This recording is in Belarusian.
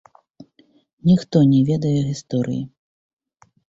Ніхто не ведае гісторыі.